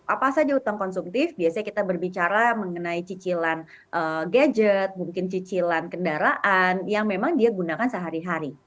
apa saja utang konsumtif biasanya kita berbicara mengenai cicilan gadget mungkin cicilan kendaraan yang memang dia gunakan sehari hari